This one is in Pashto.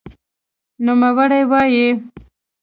نوموړی وایي،